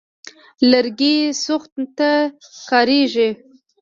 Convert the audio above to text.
لرګي سوخت ته کارېږي.